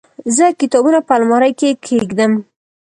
زه کتابونه په المارۍ کې کيږدم.